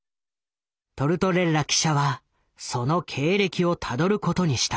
トルトレッラ記者はその経歴をたどることにした。